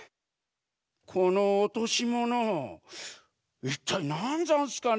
このおとしものいったいなんざんすかねえ？